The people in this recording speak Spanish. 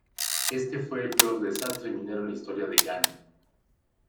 Este fue el peor desastre minero en la historia de Ghana.